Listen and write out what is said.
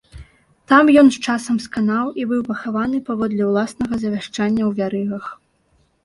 Там ён з часам сканаў і быў пахаваны, паводле ўласнага завяшчання ў вярыгах.